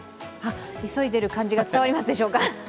急いでいる感じが伝わりますでしょうか。